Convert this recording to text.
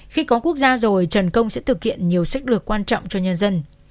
khi có quốc gia rồi trần công sẽ thực hiện nhiều sách lược quan trọng cho nhân dân